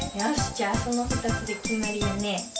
じゃあそのふたつできまりだね。